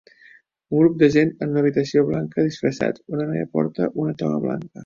Un grup de gent en una habitació blanca disfressats, una noia porta una toga blanca.